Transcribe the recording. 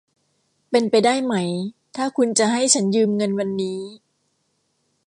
เป็นไปได้ไหม ถ้าคุณจะให้ฉันยืมเงินวันนี้